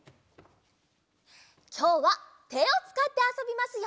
きょうはてをつかってあそびますよ！